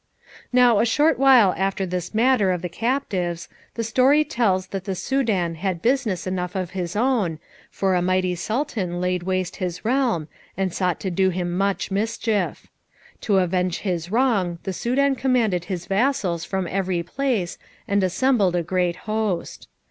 Now a short while after this matter of the captives, the story tells that the Soudan had business enough of his own, for a mighty Sultan laid waste his realm, and sought to do him much mischief. To avenge his wrong the Soudan commanded his vassals from every place, and assembled a great host.